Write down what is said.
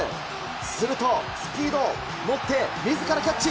すると、スピード、持って、みずからキャッチ。